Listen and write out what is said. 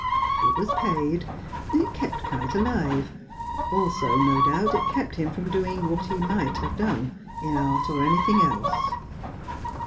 It was paid; it kept Kite alive; also, no doubt, it kept him from doing what he might have done, in art or anything else.